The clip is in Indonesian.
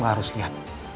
kamu harus lihat